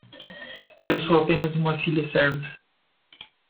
Eu sou apenas uma filha serva.